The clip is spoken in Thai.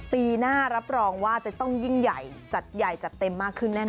ปีหน้ารับรองว่าจะต้องยิ่งใหญ่จัดใหญ่จัดเต็มมากขึ้นแน่นอ